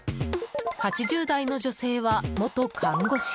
８０代の女性は、元看護師。